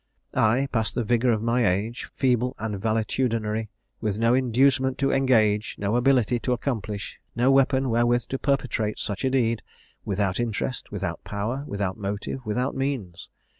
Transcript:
I, past the vigour of my age, feeble and valetudinary, with no inducement to engage, no ability to accomplish, no weapon wherewith to perpetrate such a deed, without interest, without power, without motive, without means.